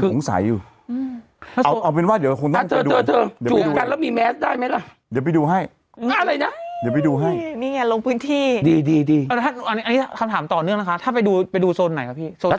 ถ้าเข้าไปเที่ยวผู้หญิงไม่ได้